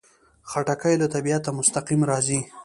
خټکی له طبیعته مستقیم راځي.